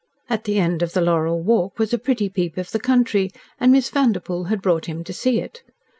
At the end of the laurel walk was a pretty peep of the country, and Miss Vanderpoel had brought him to see it.